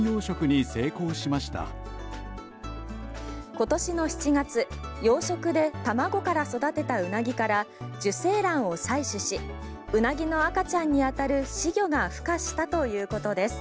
今年の７月養殖で卵から育てたウナギから受精卵を採取しウナギの赤ちゃんに当たる仔魚がふ化したということです。